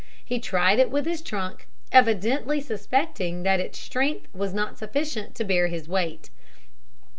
He tried it with his trunk, evidently suspecting that its strength was not sufficient to bear his weight.